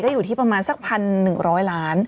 อยู่ที่ประมาณสัก๑๑๐๐ล้าน